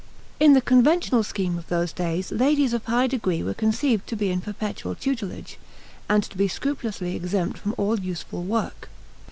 In the conventional scheme of those days ladies of high degree were conceived to be in perpetual tutelage, and to be scrupulously exempt from all useful work.